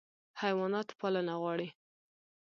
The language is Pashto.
حیوانات پالنه غواړي.